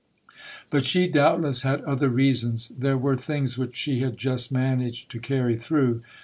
But she doubtless had other reasons. There were things which she had just managed to carry through.